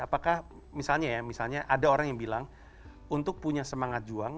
apakah misalnya ya misalnya ada orang yang bilang untuk punya semangat juang